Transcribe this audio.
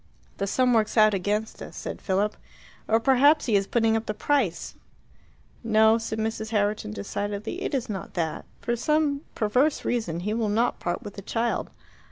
"The sum works out against us," said Philip. "Or perhaps he is putting up the price." "No," said Mrs. Herriton decidedly. "It is not that. For some perverse reason he will not part with the child.